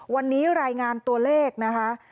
วันนี้รายงานตัวเลขนะคะ